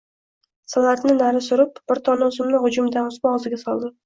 Salatni nari surib, bir dona uzumni g`ujumidan uzib, og`ziga soldi